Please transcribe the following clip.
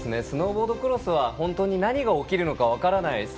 スノーボードクロスは本当に何が起きるか分からない